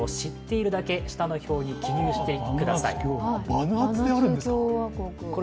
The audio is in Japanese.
バヌアツであるんですか！